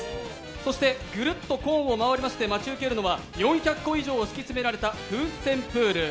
そして、ぐるっとコーンを回りまして待ち受けるのは４００個以上敷き詰められた風船プール。